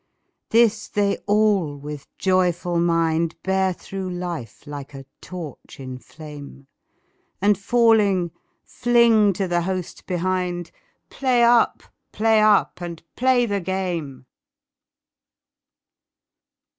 This they all with a joyful mind Bear through life like a torch in flame, And falling fling to the host behind "Play up! play up! and play the game!"